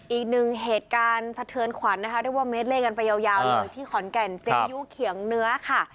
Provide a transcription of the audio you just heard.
อีกหนึ่งเหตุการณ์สะเทือนขวัญนะคะเรียกว่าเมดเลขกันไปยาวเลยที่ขอนแก่นเจยุเขียงเนื้อค่ะ